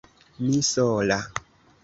Mi sola!